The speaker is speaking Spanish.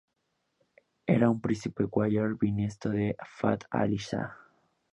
Era un príncipe Qayar, bisnieto de Fath Alí Sah.